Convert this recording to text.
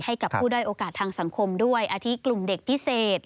ให้กับผู้ได้โอกาสทางสังคมด้วยอาทิตกลุ่มเด็กพิเศษ